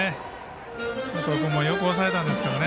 佐藤君もよくおさえたんですけどね。